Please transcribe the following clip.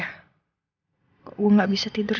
kok gue gak bisa tidur